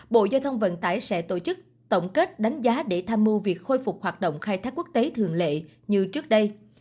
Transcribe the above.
bộ giao thông vận tải sẽ tổ chức tổng kết đánh giá để tham mưu việc khôi phục hoạt động khai thác quốc tế thường lệ như trước đây